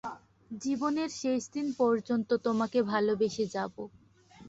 জীবনের শেষদিন পর্যন্ত তোমাকে ভালোবেসে যাবো।